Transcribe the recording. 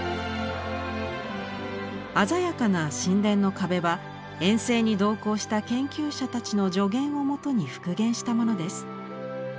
鮮やかな神殿の壁は遠征に同行した研究者たちの助言をもとに復元したものです。